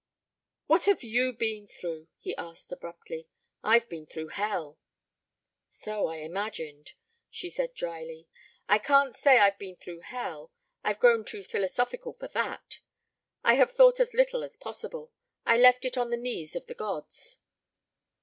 "What have you been through?" he asked abruptly. "I've been through hell." "So I imagined," she said drily. "I can't say I've been through hell. I've grown too philosophical for that! I have thought as little as possible. I left it on the knees of the gods."